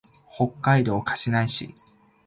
北海道歌志内市